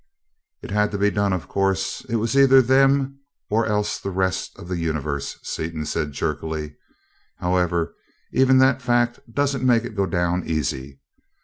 "It had to be done, of course it was either them or else all the rest of the Universe," Season said, jerkily. "However, even that fact doesn't make it go down easy.